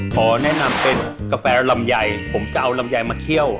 ขอแนะนำเป็นกาแฟลำไยผมจะเอาลำไยมาเคี่ยว